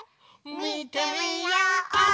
みてみよう！